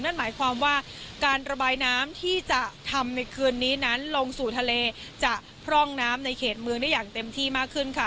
นั่นหมายความว่าการระบายน้ำที่จะทำในคืนนี้นั้นลงสู่ทะเลจะพร่องน้ำในเขตเมืองได้อย่างเต็มที่มากขึ้นค่ะ